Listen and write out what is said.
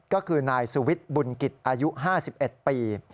ก็คือณซูวิธรบุญกิจอายุ๕๑ปี